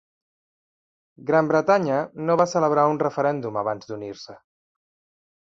Gran Bretanya no va celebrar un referèndum abans d'unir-se.